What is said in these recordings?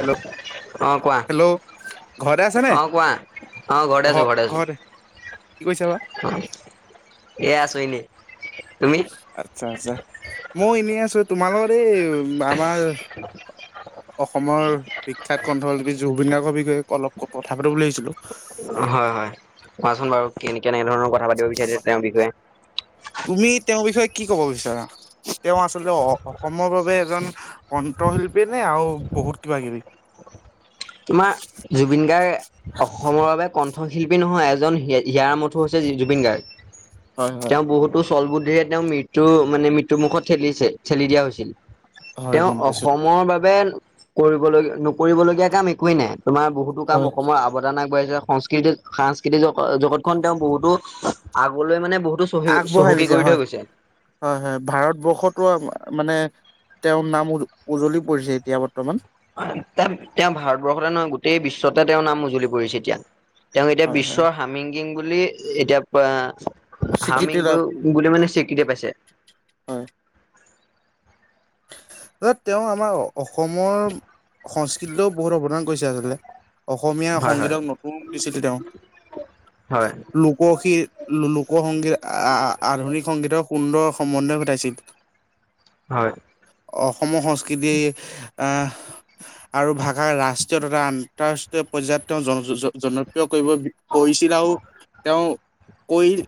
Hello. অ কোৱা hello ঘৰতে আছা? অ কোৱা অ ঘৰতে ঘৰ-ঘৰতে। কি কৈছা বা। এয়া আছোঁ এনেই। তুমি আচ্ছা আচ্ছা মই এনেই আছো তোমালৰ এই আমাৰ অসমৰ বিখ্যাত কণ্ঠশিল্পী জুবিন গাৰ্গবি গ অলপ কথা পাতিব আহিছিলো। হয় হয় কোৱাচোন বাৰু কেনে কে কেনে ধৰণৰ কথা পাতিব বিচাৰিছে তেওঁৰ বিষয়ে। তুমি তেওঁৰ বিষয়ে কি কব বিচাৰা? তেওঁ আচলতে অ অসমৰ বাবে এজন কণ্ঠশিল্পীয়ে নে আৰু বহুত কিবা কিবি? তোমাৰ জুবিন গাৰ্গ অসমৰ বাবে কণ্ঠশিল্পী নহয় এজন ইিয়াৰ মঠোৰ হৈছে জুবিন গাৰ্গ। হয় হয় তেওঁ বহুতো চ্বল বুদ্ধিৰে তেওঁ মৃত্যু মানে মৃত্যু মুুখত ঠেলিছে ঠেলি দিয়া হৈছে। হয় তেওঁ গম পাইছো অসমৰ বাবে কৰিবল নকৰিবলগীয়া কাম একোৱ নাই তোমাৰ বহুত হয় কাম অসমৰ আ সদান আগবাঢ়িছে স সংস্কৃতিক সাংস্কৃতিক জগতখন তেওঁ বহুতো আগলৈ মানে বহুতো চহী আগবঢ়াই চহকী দিছে কৰি হয় থৈ গৈছে। হয় হয় ভাৰতবৰ্ষতো মানে তেওঁৰ নাম উ উজলি পৰিছে এতিয়া বৰ্তমান। তেওঁ ভাৰতবৰ্ষতে নহয় গোটেই বিশ্বতে তেওঁৰ নাম উজুলি পৰিছে এতিয়া। তেওঁ এতিয়া হয় হয় বিশ্বৰ হামিং কিং বুলি এতিয়া স্বীকৃতি লাভ কৰি হামিংগকিং বুলি মানে স্বিক কৃতি পাইছে। হয়। তেওঁ আমাৰ অসমৰ সংস্কৃতিও বহুত অৱদান কৰিছে আচলতে। অসমীয়া হয় হয় সংগীতক নতুন দিছিল তেওঁ, হয় লোকসি লোকসংগীত আধুনিক সংগীতৰ সুন্দৰ সম্বন্ধয় ঘটাইছিল। হয়। অসমৰ সংস্কৃতিয আ আৰু ভাষা ৰাষ্ট্ৰীয় তথা আন্তৰাষ্ট্ৰীয় পৰ্যায়ত তেওঁ জন জন জনপ্ৰিয় কৰিব কৈছিল আৰু তেওঁ কৰিল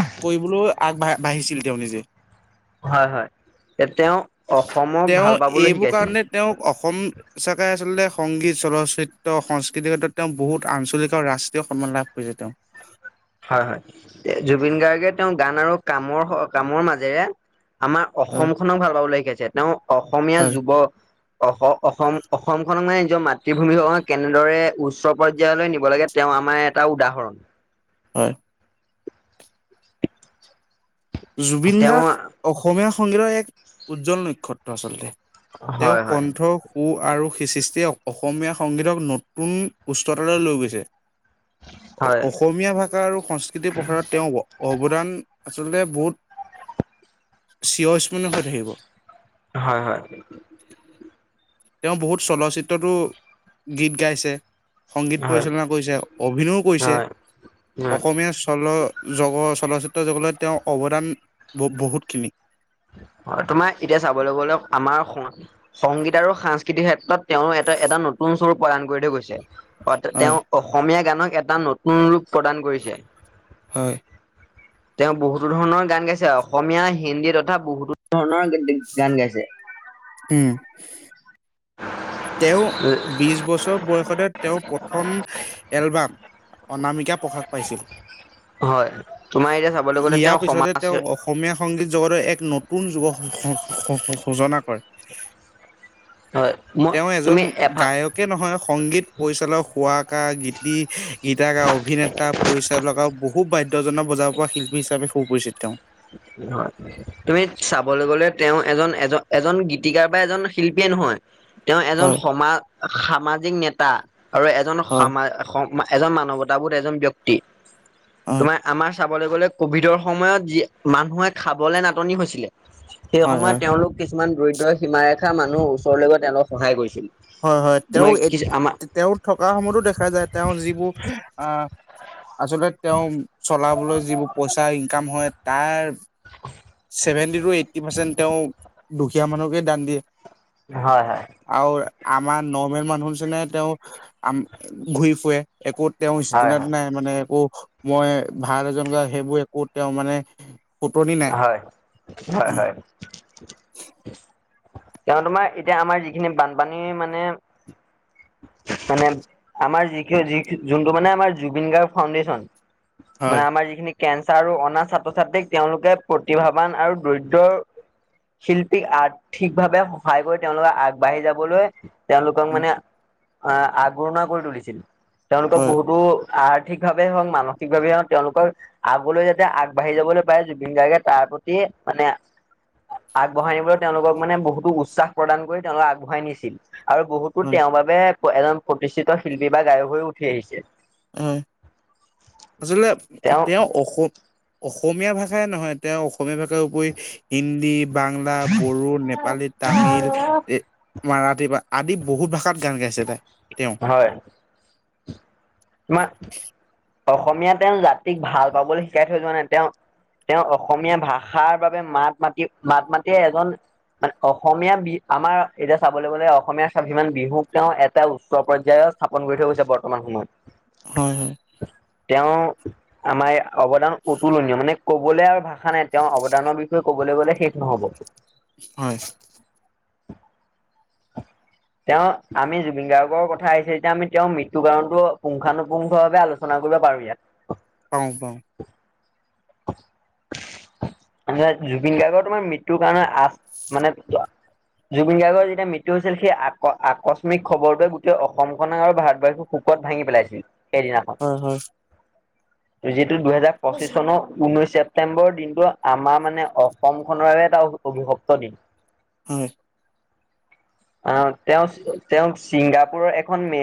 আগ কৰিবলৈও আগবাঢ়ি বাঢ়িছিল তেওঁ নিজে। হয় হয় তেওঁ অসমক তেওঁ ভাল পাবলৈ এইবোৰ শিকাইছিল। কাৰণে তেওঁক অসম সঁচাকৈ আচলতে সংগীত চলচ্চিত্ৰ সংস্কৃতিৰ ক্ষেত্ৰত তেওঁ বহুত আঞ্চলিক আৰু ৰাষ্ট্ৰীয় সন্মান লাভ কৰিছে তেওঁ। হয় হয় জুবিন গাৰ্গে তেওঁ গান আৰু কামৰ কামৰ মাজেৰে আমাৰ হয়, অসমখনক ভাল পাবলৈ শিকাইছে তেওঁ অসমীয়া হয়। যুৱ অ অসম অসমখনক মানে নিজৰ মাত মৃভূমি খনক কেনেদৰে উচ্চ পৰ্যায়লৈ নিব লাগে তেওঁ আমাৰ এটা উদাহৰণ। হয়। জুবিন তেওঁ গাৰ্গ অসমীয়া সংগীতৰ এক উজ্জ্বল নক্ষত্ৰ আচলতে। তেওঁ হয় হয় কণ্ঠ কু আৰু সি সিষ্টে অসমীয়া সংগীতক নতুন উচ্চতালৈ লৈ গৈছে। হয় অসমীয়া ভাষা আৰু সংস্কৃতিৰ প্ৰসাৰত তেওঁ অৱদান আচলতে বহুত চিৰস্মৰণীয় হৈ থাকিব। হয় হয় তেওঁ বহুত চলচিত্ৰতো গীত গাইছে। সংগীত হয় পৰিচালনা কৰিছে অভিনয় কৰিছে হয় উম অসমীয়া চল জগ চলচিত্ৰ জগতলৈ তেওঁৰ অৱদান বহুতখিনি। হয় তোমাৰ এতিয়া চাবলৈ গ'লে আমাৰ সংগীত আৰু সাংস্কৃতিক ক্ষেত্ৰত তেওঁ এটা এটা নতুন স্বৰূপ প্ৰদান কৰি থৈ গৈছে হয় তেওঁ অসমীয়া গানক এটা নত ৰূপ প্ৰদান কৰিছে। হয়। তেওঁ বহুতো ধৰণৰ গান গাইছে অসমীয়া হিন্দীত কথা বহুতো ধৰণৰ গান গাইছে। উম। তেওঁ বিশ বছৰ বয়সতে তেওঁ প্ৰথম এলবাম অনামিকা প্ৰকাশ পাইছিল। হয় তোমাৰ এতিয়া চাবলৈ গ'লে ইয়াৰ তেওঁ পিছতে সমাজ তেওঁ সেৱ অসমীয়া সংগীত জগত এক নতুন যগ সূজনা কৰে হয় মই তুমি এফাক তাকে নহয় সংগীত পৰিচালক হুৱকা গীতি গীতা অভিনেতা পৰিচালাক আৰু বহুত বাধ্যজনক বজাব পৰা শিল্পী হিচাপে সু পৰিচিত তেওঁ হয় তুমি চাবলৈ গলে তেওঁ এজন এজ এজন গীতিকাৰ বা এজন শিল্পীয়ে নহয় তেওঁ এজন হয় সমাজ সামাজিক নেতা আৰু এজন হয় সমা খন হয়। আমাৰ চাবলৈ গ'লে কভিডৰ সময়ত যি মানুহে খাবলে নাটনি হৈছিলে সেই হয় হয়। সময়ত তেওঁলোক কিছুমান দৰিদ্ৰ সীমাৰেখা মানুহৰ ওচৰলৈ গৈ তেওঁলোক সহায় কৰিছিল হয় হয় তোমাৰ তেওঁ কিছু আমাৰ তেওঁ থকা সময়তো দেখা যায় তেওঁ যিবোৰ আহ আচলতে তেওঁ চলাবলৈ যিবোৰ পইচা ইনকাম হয় তাৰ চছেভেন্টি টু এইটি পাৰ্চেণ্ট তেওঁ দুখীয়া মানুহকে দান দিয়ে হয় হয় আৰু আমাৰ নৰ্মেল মানুহ যেনে তেওঁ ঘূৰি ফুৰে একো তেওঁ হয় সচিনাত হয় নাই মানে একো মই ভাল এজন গ সেইবোৰ একো তেওঁ মানে পুতনী হয় হয় হয় তেওঁ তোমাৰ এতিয়া আমাৰ যিখিনি বানপানী মানে মানে আমাৰ যি যি যোনটো মানে আমাৰ জুবিন গাৰ্গ ফাউণ্ডেশ্যন হয় মানে আমাৰ যিখিনি কেঞ্চাৰ আৰু অনা ছাত্ৰ ছাত্ৰীক তেওঁলোকে প্ৰতিভাবন আৰু দৰিদ্ৰ শিল্পীক আৰ্থিকভাৱে সহায় কৰি তেওঁলোকে আগবাঢ়ি যাবলৈ তেওঁলোকক মানে আহ আগৰণা কৰি তুলিছিল তেওঁলোকক হয় বহুতো আৰ্থিক ভাৱে হওক মানসিক ভাৱে হওক তেওঁলোকৰ আগলৈ যাতে আগবাঢ়ি যাবলৈ পাৰে জুবিন গাৰ্গে তাৰ প্ৰতি মানে আগবঢ়াই নিবলৈ তেওঁলোকক মানে বহুতো উচ্চাহ প্ৰদান কৰি তেওঁলোকক আগবঢ়াই নিছিল আৰু বহুত হয় তেওঁৰ বাবে এজন প্ৰতিষ্ঠিত শিল্পী বা গায়ক হৈ উঠি আহিছে হয় আচলতে তেওঁ অসো অসমীয়া ভাষাই নহয় তেওঁ অসমীয়া ভাষাৰ উপৰি হিন্দী বাংলা বড়ো নেপালী তামিল মাৰাঠী আদি বহুত ভাষাত গান গাইছে তাই তেওঁ হয় তোমাৰ অসমীয়া তেওঁ জাতিক ভাল পাবলৈ শিকাই থৈ যোৱা নাই তেওঁ তেওঁ অসমীয়া ভাষাৰ বাবে মাত মাতি মাত মাতিয়ে এজন মানে অসমীয়া বি আমাৰ এতিয়া চাবলৈ গলে অসমীয়া স্বাভিমান বিহুক তেওঁ এটা উচ্চ পৰ্যায়ত স্থাপন কৰি থৈ গৈছে বৰ্তমান সময়ত হয় হয় তেওঁ আমাৰ অৱদান অতুলনীয় মানে কবলে আৰু ভাষা কা নাই তেওঁৰ অৱদৰ বিষয়ে কবলৈ গ'লে শেষ নহ'ব হয় [inaudible] তেওঁ আমি জুবিন গাৰ্গৰ কথা আহিছে এতিয়া আমি তেওঁৰ মৃত্যু কাৰণতো পুংখানুপুংখভাৱে আলোচনা শনাবলৈ পাৰো ইয়াত অং পং জুবিন গাৰ্গৰ তোমাৰ মৃত্যুৰ কাৰণে আ মানে জুবিন গাৰ্গৰ যেতিয়া মৃত্যু হৈছিল সেই আ আকস্মিক খবৰটোৱে গোটেই অসমখনক আৰু ভাৰতবৰ্ষক শুোকত ভাঙি পেলাইছিল সেইদিনাখন হয় [inaudible] যিহেতটো দুহেজাৰ পঁচিশ চনৰ ঊনৈশ ছেপ্তেম্বৰ দিনটো আমাৰ মানে অসম খনৰ বাবে এটা অভিভপ্ত দিন হয়। অ তেওঁ তেওঁক ছিংগাপুৰৰ এখন মে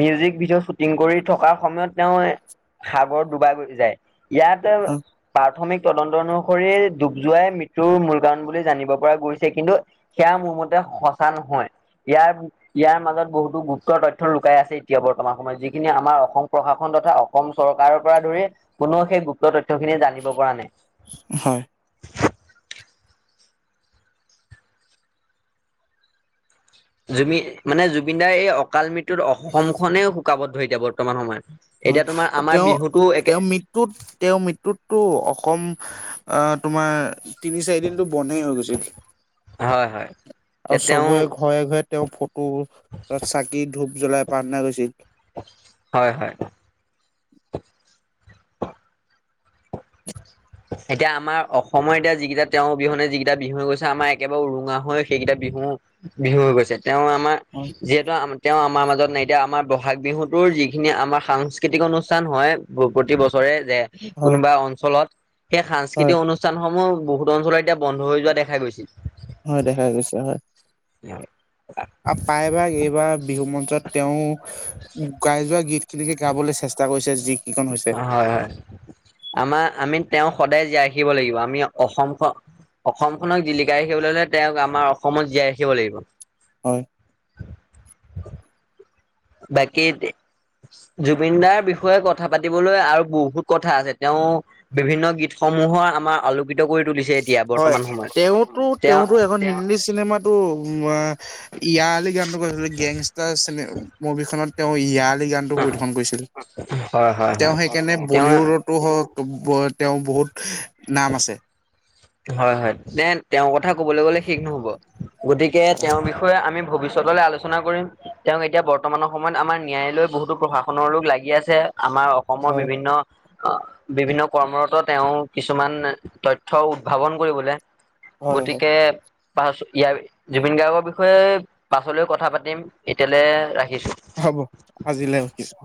মিউজিক ভিডিঅ' শ্বুটিং কৰি থকাৰ সময়ত তেওঁ সাগৰ ডুবাই যায়। ইয়াত হয় প্ৰাথমিক তদন্ত অনুসৰি ডুব যোৱাই মৃত্যুৰ মূল কাৰণ বুলি জানিব পৰা গৈছে কিন্তু সেয়া মোৰ মতে সঁচা নহয় ইয়াৰ ইয়াৰ মাজত বহুতো গুৰুত্তৰ তথ্য লুকাই আছে এতিয়া বৰ্তমান সময়ত যিখিনি আমাৰ অসম প্ৰশাসন তথা কম চৰকাৰৰ পৰা ধৰি কোননেও সেই গুপ্ত তথ্য খিনি জানিব পৰা নাই। হয়। জুবিন মানে জুবিনদাৰ এই অকাল মৃত্যুত অসম খনে শুকাব ধৰি এতিয়া বৰ্তমান সময়ত। হয় এতিয়া তোমাৰ আমাৰ তেওঁ বিহুতো একে তেওঁ মৃত মৃত্যুত তেওঁৰ মৃত্যুতটো অসম তোমাৰ তিনি চাৰি দিনতটো বন্ধে হৈ গৈছিল হয় হয় আৰু এতিয়া তেওঁ চবৰে ঘৰে ঘৰে তেওঁৰ ফ কত চাকি ধূপ জ্বলাই প্ৰাৰ্থনা কৰিৈছিল। হয় হয়। [unintelligible] এতিয়া আমাৰ অসমৰ এতিয়া যিকেইটা তেওঁৰ বিহনে যিকেইটা বিহু হৈ গৈছে আমাৰ একেবাৰে উৰুঙা হৈ সেইকেইটা বিহু বিহু হৈ গৈছে তেওঁ আমাৰ হয় যি তেওঁ আমাৰ মাজত নাই এতিয়া আমাৰ বহাগ বিহুতো যিখিনি আমাৰ সাংস্কৃতিক অনুষ্ঠান হয়। প্ৰতি বছৰে যে হয় কোনোবা অঞ্চলত সেই হয় সাংস্কৃতিক অনুষ্ঠান স্থানসমূহ বহুত অঞ্চলৰ এতিয়া বন্ধ হৈ যোৱা দেখা গৈছে। হয় দেখা গৈছে হয়। [inaudible] আৰু প্ৰায়ভাগ এইবাৰ বিহু মঞ্চত তেওঁ গাই যোৱা গীত খিনিকে গাবলৈ চেষ্টা কৰিছে যি কিিকন হৈছে। হয় হয় আমাৰ আমি তেওঁ সদায় জীয়াই ৰািব লাগিব আমি অসমখন অসমখনক জিলিকাই ৰাখিবলৈ হলে তেওঁক আমাৰ অসমত জীয়াই ৰাখিব লাগিব। হয়। বাকী এ জুবিন দাৰ বিষয়ে কথা পাতিবলৈ আৰু বহুত কথা আছে তেওঁ বিভিন্ন গীতসমূহৰ আমাৰ আলোকিত কৰি তুলিছে। এতিয়া হয় বৰ্তমান সময়ত তেওঁতো তেওঁ তেওঁতো এখন হিন্দী চিনেমাত টো ইয় আলি গানতটো গৈছিলো গেংষ্টাৰ চনে মুভিখনত। তেওঁ ইয় আলি গানটো পৰিদৰ্শন কৰিছিল হয় হয় তেওঁ হয় সেইকাৰণে তেওঁ বলীউডত তো তেওঁ বহুত নাম আছে। হয় হয় তে তেওঁৰ কথা কবলৈ গলে ঠিক নহব গতিকে হয়। তেওঁৰ বিষয়ে আমি ভৱিষ্যতলৈ আলোচনা কৰিম। তেওঁক এতিয়া বৰ্তমানৰ সময়ত আমাৰ ন্যায়ালয়ে বহুতো প্ৰশাসনৰ লোক লাগি আছে আমাৰ অসমৰ বিভিন্ন বিভিন্ন কৰ্মৰত তেওঁ কিছুমান তথ্য উদ্ভাৱন কৰিবলৈ হয় হয় গতিকে পাছ ইয়াৰ জুবিন গাৰ্গৰ বিষয়ে পাছলৈ কথা পাতিম এতিয়ালৈ ৰাখিছোঁ। আজিলে উখিছো।